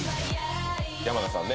山名さんね。